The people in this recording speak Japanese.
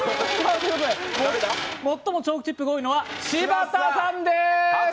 最もチョークチップが多いのは柴田さんでーす。